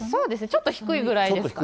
ちょっと低いぐらいですかね。